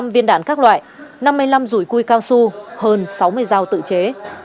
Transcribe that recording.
bốn trăm linh viên đạn các loại năm mươi năm rủi cui cao su hơn sáu mươi dao tự chế